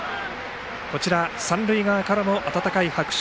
こちら、三塁側からも温かい拍手